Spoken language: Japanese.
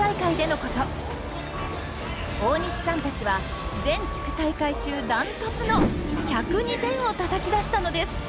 大西さんたちは全地区大会中断トツの１０２点をたたき出したのです！